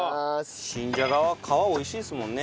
新じゃがは皮美味しいですもんね。